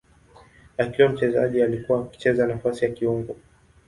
Akiwa mchezaji alikuwa akicheza nafasi ya kiungo.